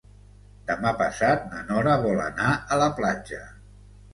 Demà passat na Nora vol anar a la platja.